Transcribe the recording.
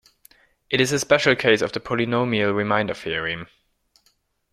It is a special case of the polynomial remainder theorem.